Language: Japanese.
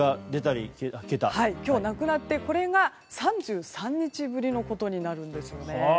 今日なくなりまして、これは３３日ぶりのことになるんです。